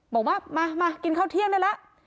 บอกว่ามากินข้าวเที่ยงได้แล้ว